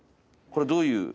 これどういう？